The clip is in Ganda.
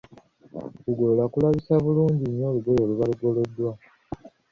Okugolola kulabisa bulungi olugoye oluba lugoloddwa.